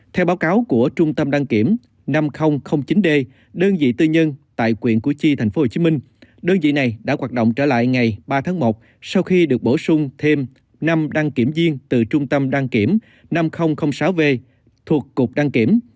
theo báo cáo của trung tâm đăng kiểm năm nghìn chín d đơn vị tư nhân tại quyện củ chi tp hcm đơn vị này đã hoạt động trở lại ngày ba tháng một sau khi được bổ sung thêm năm đăng kiểm viên từ trung tâm đăng kiểm năm nghìn sáu v thuộc cục đăng kiểm